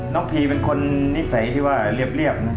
พีเป็นคนนิสัยที่ว่าเรียบนะ